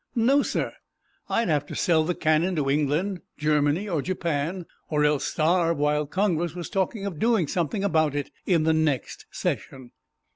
No, sir! I'd have to sell the cannon to England, Germany or Japan—or else starve while Congress was talking of doing something about it in the next session.